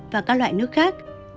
và các loại nước khác